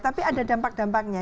tapi ada dampak dampaknya